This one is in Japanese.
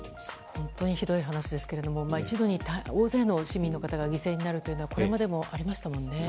本当にひどい話ですが一度に大勢の市民の方が犠牲になるというのはこれまでもありましたもんね。